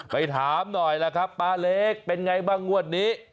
ไปถามหน่อยล่ะครับป้าเล็กเป็นไงบ้างงวดนี้